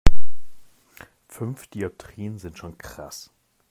Fünf Dioptrien sind schon krass.